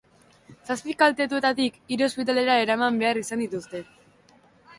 Zazpi kaltetuetatik hiru ospitalera eraman behar izan dituzte.